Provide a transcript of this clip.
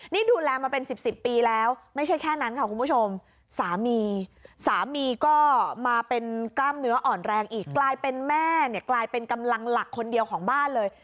นี่ดูแลมาเป็นสิบสิบปีแล้วไม่ใช่แค่นั้นค่ะคุณผู้ชมสามีสามีก็มาเป็นกล้ามเนื้ออ่อนแรงอีกกลายเป็นแม่เนี่ยกลายเป็นกำลังหลักคนเดียวของบ้านเลย